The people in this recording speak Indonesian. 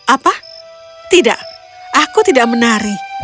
apa tidak aku tidak menari